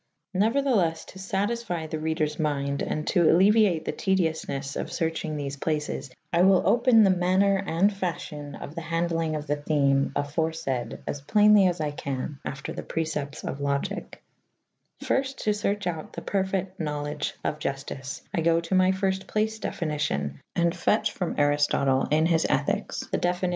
Xeuertheles to fatiffie the reders mynde and to alleuiate the tedioufnes of ferchynge thefe places I wyll opyn the maner and faffhyon of the handilynge of the theme afore fayd as playnely as I can after the preceptes of Logike /\ fyrft to ferche out the perfyght knowlege of Juftyce I go to rhy fyrft place definicion / And fetche iiom Ariftotle in his ethiks the definicion ^ B.